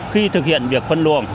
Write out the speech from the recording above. khi thực hiện việc phân luồng